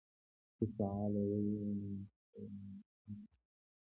که شعاع لویه وي نو سوپرایلیویشن ته اړتیا نشته